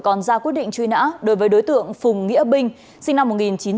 còn ra quyết định truy nã đối với đối tượng phùng nghĩa binh sinh năm một nghìn chín trăm tám mươi